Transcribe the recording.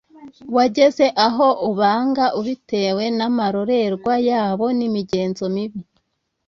wageze aho ubanga ubitewe n’amarorerwa yabo, n’imigenzo mibi,